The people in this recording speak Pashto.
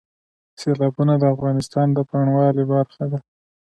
سیلابونه د افغانستان د بڼوالۍ برخه ده.